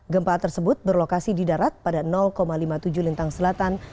gempa tersebut berlokasi di darat pada lima puluh tujuh lintang selatan